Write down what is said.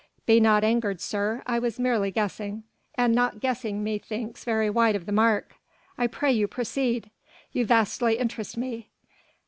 "Be not angered, sir, I was merely guessing and not guessing methinks very wide of the mark. I pray you proceed. You vastly interest me.